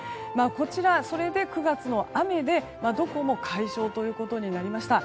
こちら、それで９月も雨でどこも解消ということになりました。